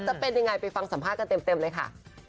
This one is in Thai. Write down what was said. จะเป็นยังไงไปฟังสัมภาษณ์กันเต็มเลยค่ะ